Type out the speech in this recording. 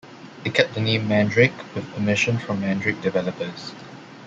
It kept the name "Mandrake" with permission from Mandrake developers.